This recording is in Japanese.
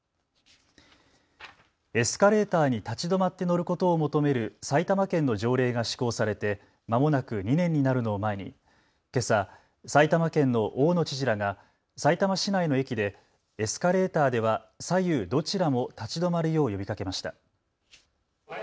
エスカレーターに立ち止まって乗ることを求める埼玉県の条例が施行されてまもなく２年になるのを前に、けさ埼玉県の大野知事らがさいたま市内の駅でエスカレーターでは左右どちらも立ち止まるよう呼びかけました。